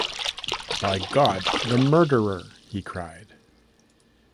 “By God, the murderer!” he cried.